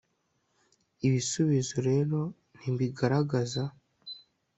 ibisubizo rero ntibigaragaza